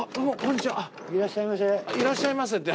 いらっしゃいませ。